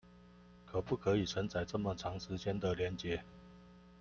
可不可以承載這麼長時間的連結